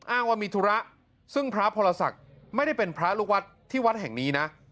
อ้างว่ามีธุระซึ่งพระพรศักดิ์ไม่ได้เป็นพระลูกวัดที่วัดแห่งนี้นะ